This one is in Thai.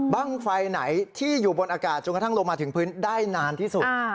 บ้างไฟไหนที่อยู่บนอากาศจนกระทั่งลงมาถึงพื้นได้นานที่สุด